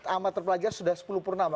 ahmad terpelajar sudah sepuluh purnama